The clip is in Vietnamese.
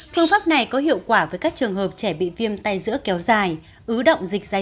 phương pháp này có hiệu quả với các trường hợp trẻ bị viêm tay giữa